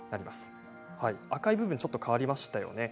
赤い部分がちょっと変わりましたよね。